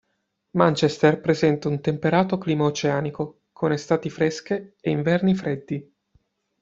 Manchester presenta un temperato clima oceanico, con estati fresche e inverni freddi.